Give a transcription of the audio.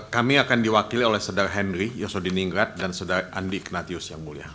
kami akan diwakili oleh sedar henry yosodin ingrat dan sedar andi ignatius yang mulia